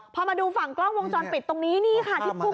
พอมาดูฝั่งกล้องวงจรปิดตรงนี้นี่ค่ะที่พุ่ง